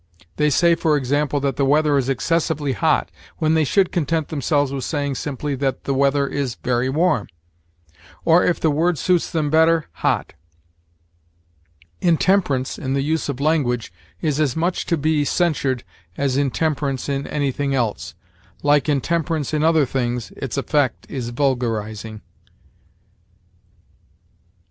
They say, for example, that the weather is excessively hot, when they should content themselves with saying simply that the weather is very warm, or, if the word suits them better, hot. Intemperance in the use of language is as much to be censured as intemperance in anything else; like intemperance in other things, its effect is vulgarizing.